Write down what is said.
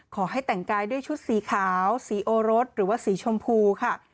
ขอให้แต่งกายด้วยชุดสีขาวสีโอรสหรือว่าสีชมพูค่ะ